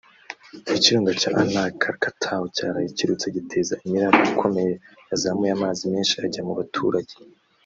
Ikirunga cya Anak Krakatau cyaraye kirutse giteza imiraba ikomeye yazamuye amazi menshi ajya mu baturage